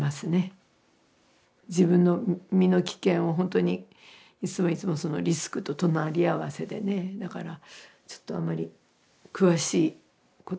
自分の身の危険をほんとにいつもいつもそのリスクと隣り合わせでねだからちょっとあんまり詳しいことが言えませんね。